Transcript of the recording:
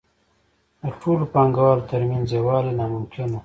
د ټولو پانګوالو ترمنځ یووالی ناممکن وو